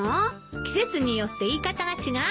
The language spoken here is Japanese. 季節によって言い方が違うのよ。